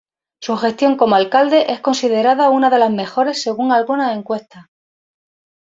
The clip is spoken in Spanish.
Su gestión como alcalde es considerada una de las mejores según algunas encuestas.